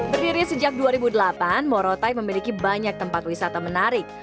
berdiri sejak dua ribu delapan morotai memiliki banyak tempat wisata menarik